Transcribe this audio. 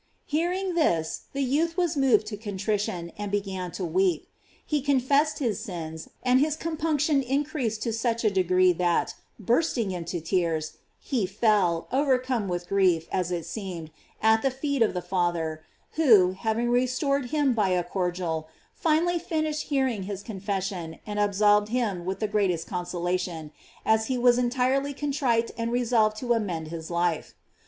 Hearing this, the youth was mov ed to contrition, and began to weep. He con fessed his sins, and his compunction increased to such a degree that, bursting into tears, he fell, overcome with grief, as it seemed, at the feet of the Father, who, having restored him by a cordial, finally finished hearing his confession, and absolved him with the greatest consolation, as he was entirely contrite and resolved to amend his life.